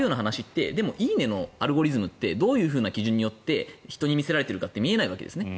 「いいね」のアルゴリズムってどういう基準で人に見せられているかって見えないわけです。